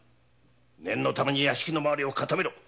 念のため屋敷の周りをかためろ。